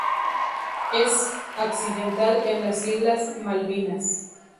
Es accidental en las islas Malvinas.